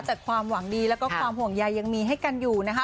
จากความหวังดีแล้วก็ความห่วงใยยังมีให้กันอยู่นะคะ